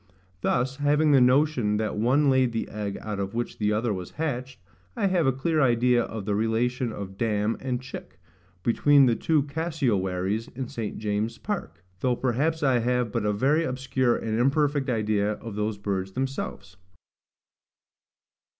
Thus, having the notion that one laid the egg out of which the other was hatched, I have a clear idea of the relation of DAM and CHICK between the two cassiowaries in St. James's Park; though perhaps I have but a very obscure and imperfect idea of those birds themselves.